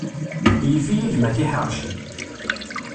Yif-iyi gma tiḥerci.